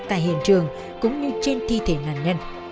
tại hiện trường cũng như trên thi thể nạn nhân